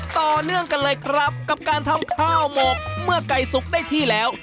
ต่อเนื่องกันเลยครับกับการทำข้าวหมกเมื่อไก่สุกได้ที่แล้ว